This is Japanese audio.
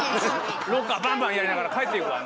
ロッカーバンバンやりながら帰っていくわ。